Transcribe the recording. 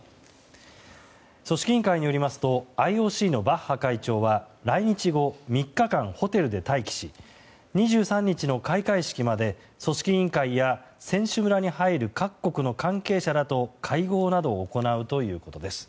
組織委員会によりますとＩＯＣのバッハ会長は来日後３日間ホテルで待機し２３日の開会式まで組織委員会や選手村に入る各国の関係者らと会合などを行うということです。